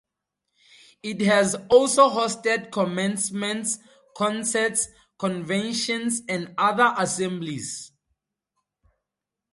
It has also hosted commencements, concerts, conventions and other assemblies.